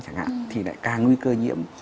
chẳng hạn thì lại càng nguy cơ nhiễm